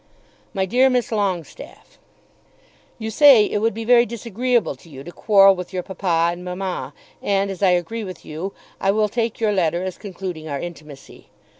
MY DEAR MISS LONGESTAFFE, You say it would be very disagreeable to you to quarrel with your papa and mamma; and as I agree with you, I will take your letter as concluding our intimacy.